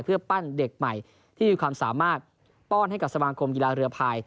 เพื่อปั้นเด็กใหม่ที่มีความสามารถป้อนให้กับสมาคมกีฬาเรือพาย